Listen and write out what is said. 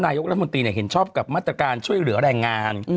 นายกรัฐมนตรีเห็นชอบกับมาตรการช่วยเหลือแรงงาน